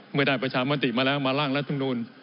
เมื่อได้ประชามติมาแล้วมาร่างรัฐมนูล